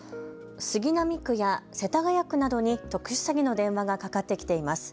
杉並区や世田谷区などに特殊詐欺の電話がかかってきています。